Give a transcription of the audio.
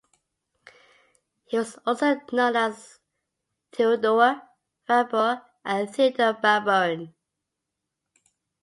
He was also known as Teodoer van Baburen and Theodor Baburen.